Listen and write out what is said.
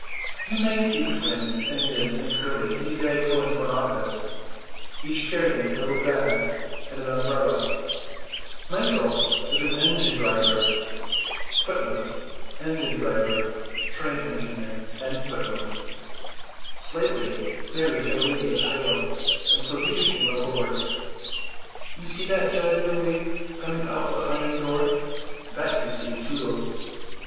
You may see the twins and Nibs and Curly any day going to an office, each carrying a little bag and an umbrella. Michael is an engine driver. Slightly married a lady of title, and so he became a lord. You see that judge in a wig coming out at the iron door? That used to be Tootles.